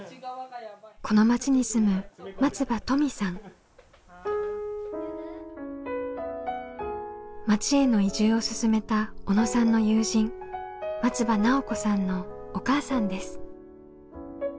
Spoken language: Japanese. この町に住む町への移住を勧めた小野さんの友人松場奈緒子さんのお母さんです。